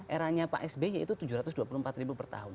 eranya pak sby itu tujuh ratus dua puluh empat ribu per tahun